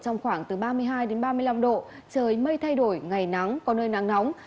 trong khoảng từ ba mươi hai ba mươi năm độ trời mây thay đổi ngày nắng có nơi nắng nóng